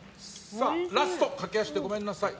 ラスト、駆け足でごめんなさい。